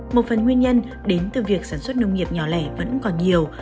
một phần nguyên nhân đến từ việc sản xuất nông nghiệp nhỏ lẻ vẫn còn nhiều